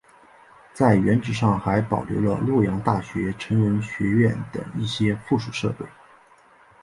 在原址上还保留了洛阳大学成人学院等一些附属设施。